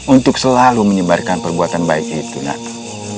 untuk selalu menyebarkan perbuatan baik itu nata